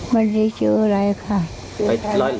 ไม่ได้เจออะไรค่ะไปร้อย